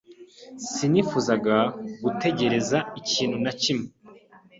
Sinifuzaga gutegereza ikintu na kimwe.